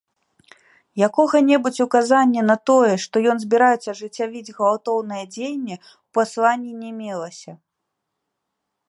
Якога-небудзь указанні на тое, што ён збіраецца ажыццявіць гвалтоўныя дзеянні, у пасланні не мелася.